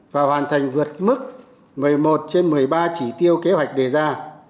và hoàn thành vượt mức một mươi một trên một mươi ba chỉ tiêu kế hoạch đề ra